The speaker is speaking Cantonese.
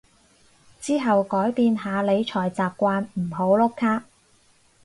之後改變下理財習慣唔好碌卡